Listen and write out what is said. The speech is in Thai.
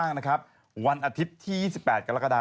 คือสุกไม่สุกกี๊ได้เท่าะ